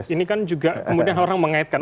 ini kan juga kemudian orang mengaitkan